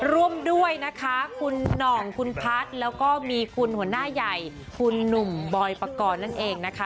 ร่วมด้วยนะคะคุณหน่องคุณพัฒน์แล้วก็มีคุณหัวหน้าใหญ่คุณหนุ่มบอยปกรณ์นั่นเองนะคะ